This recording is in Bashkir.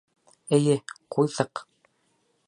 — Эйе, ҡуйҙыҡ.